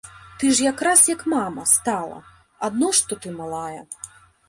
Ты ж якраз, як мама, стала, адно што ты малая.